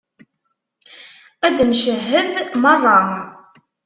Ad d-ncehhed merra.